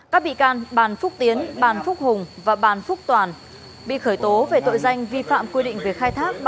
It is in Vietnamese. các bị can bàn phúc tiến bàn phúc hùng và bàn phúc toàn bị khởi tố về tội danh vi phạm quy định về khai thác